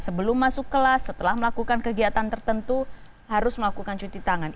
sebelum masuk kelas setelah melakukan kegiatan tertentu harus melakukan cuci tangan